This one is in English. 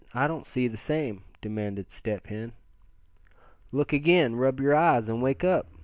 I don't see the same;" demanded Step Hen. "Look again. Rub your eyes, and wake up!